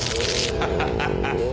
ハハハハハ。